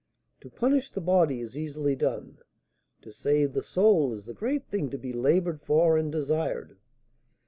To punish the body is easily done; to save the soul is the great thing to be laboured for and desired.